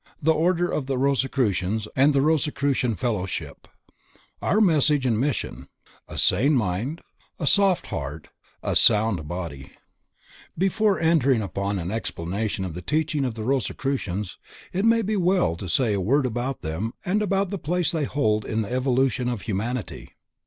THE ORDER OF ROSICRUCIANS AND THE ROSICRUCIAN FELLOWSHIP Our Message And Mission A Sane Mind A Soft Heart A Sound Body Before entering upon an explanation of the teachings of the Rosicrucians, it may be well to say a word about them and about the place they hold in the evolution of humanity.